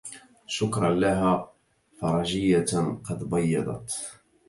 شكرا لها فرجية قد بيضت